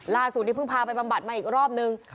ลาศูนย์ที่พึ่งพาไปบำบัดมาอีกรอบนึง